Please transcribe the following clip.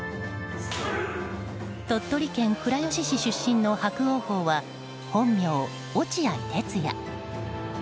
鳥取県倉吉市出身の伯桜鵬は本名・落合哲也。